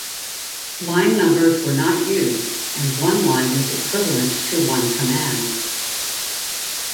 Line numbers were not used and one line was equivalent to one command.